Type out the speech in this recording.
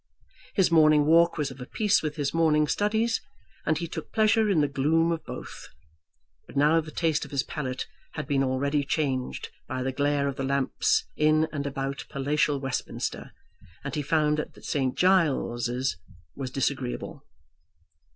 His morning walk was of a piece with his morning studies, and he took pleasure in the gloom of both. But now the taste of his palate had been already changed by the glare of the lamps in and about palatial Westminster, and he found that St. Giles's was disagreeable.